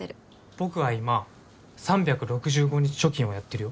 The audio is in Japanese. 僕は今３６５日貯金をやってるよ。